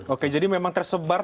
oke jadi memang tersebar